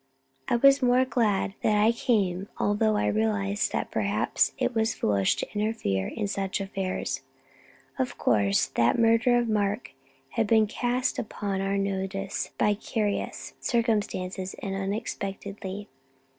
I was more than glad that I came, although I realized that perhaps it was foolish to interfere in such affairs. Of course, that murder of Mark had been cast upon our notice by curious circumstances, and unexpectedly.